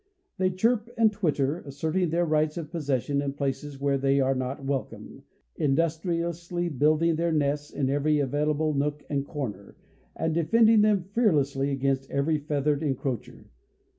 They chirp and twitter, asserting their rights of possession in places where they are not welcome, industriously building their nests in every available nook and corner, and defending them fearlessly against every feathered encroacher.